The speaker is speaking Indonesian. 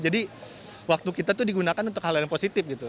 jadi waktu kita itu digunakan untuk hal yang positif gitu